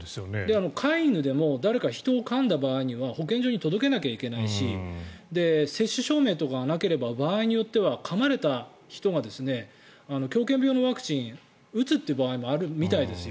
飼い犬でも誰か人をかんだ場合は保健所に届けなきゃいけないし接種証明とかがなければ場合によってはかまれた人が狂犬病のワクチンを打つという場合もあるみたいです。